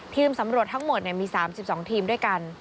สำรวจทั้งหมดมี๓๒ทีมด้วยกัน